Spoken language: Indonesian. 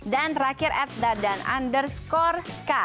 dan terakhir at dadan underscore